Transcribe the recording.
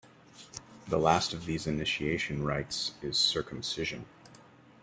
The last of these initiation rites is circumcision.